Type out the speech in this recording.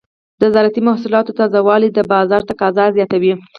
د زراعتي محصولاتو تازه والي د بازار تقاضا زیاتوي.